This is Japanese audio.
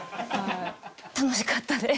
楽しかったです。